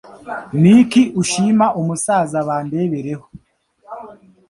Ni iki ushima umusaza Bandebereho ?